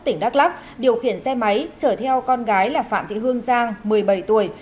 tỉnh đắk lắc điều khiển xe máy chở theo con gái là phạm thị hương giang một mươi bảy tuổi